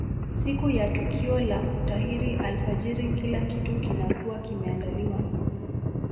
Siku ya tukio la kutahiri alfajiri kila kitu kinakuwa kimeandaliwa